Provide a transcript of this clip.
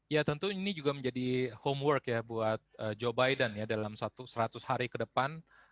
ya tentu ini juga menjadi homework ya buat joe biden ya dalam seratus hari ke depan